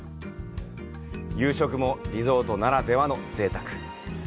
夕食もリゾートならではのぜいたく！